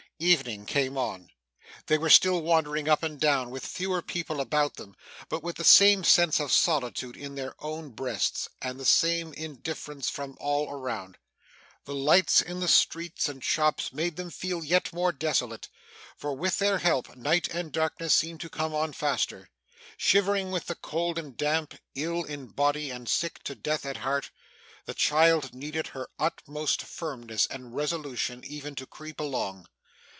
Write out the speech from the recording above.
Evening came on. They were still wandering up and down, with fewer people about them, but with the same sense of solitude in their own breasts, and the same indifference from all around. The lights in the streets and shops made them feel yet more desolate, for with their help, night and darkness seemed to come on faster. Shivering with the cold and damp, ill in body, and sick to death at heart, the child needed her utmost firmness and resolution even to creep along.